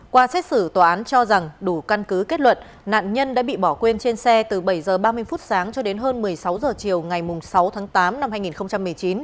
qua xét xử tòa án cho rằng đủ căn cứ kết luận nạn nhân đã bị bỏ quên trên xe từ bảy h ba mươi phút sáng cho đến hơn một mươi sáu h chiều ngày sáu tháng tám năm hai nghìn một mươi chín